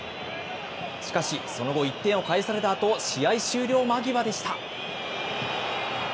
しかし、その後、１点を返されたあと、試合終了間際でした。